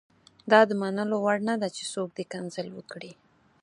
دا د منلو وړ نه دي چې څوک دې کنځل وکړي.